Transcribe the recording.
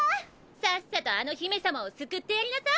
さっさとあの姫様を救ってやりなさい。